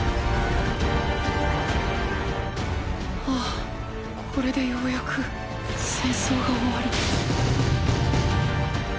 ああこれでようやく戦争が終わる。